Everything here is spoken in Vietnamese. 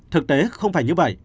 thực tế không phải như vậy